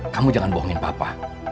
kamu jangan bohongin papa